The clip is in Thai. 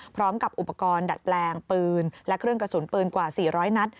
พร้อมกับอุปกรณ์ดัดแปลงปืนและเครื่องกระสุนปืนกว่า๔๐๐นัด